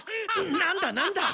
なんだなんだ？